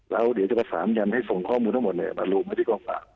แล้วเดี๋ยวก็สามารถยังส่งข้อมูลทั้งหมดเลยมารูปมาที่คลับ